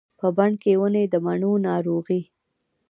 په بڼ کې ونې د مڼو، ناروغې